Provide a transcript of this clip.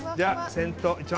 先頭。